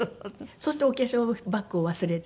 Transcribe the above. そしてお化粧バッグを忘れて。